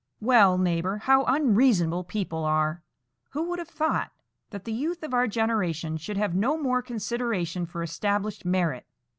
"Well, neighbour, how unreasonable people are! Who would have thought that the youth of our generation should have no more consideration for established merit?